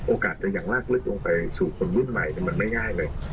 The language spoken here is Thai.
โอกาสจะอย่างลากลึกลงไปสู่คนรุ่นใหม่มันไม่ง่ายเลย